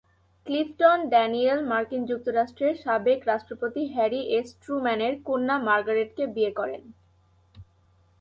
Clifton Daniel মার্কিন যুক্তরাষ্ট্রের সাবেক রাষ্ট্রপতি হ্যারি এস ট্রুম্যানের কন্যা মার্গারেটকে বিয়ে করেন।